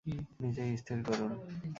নিজেই স্থির করুন।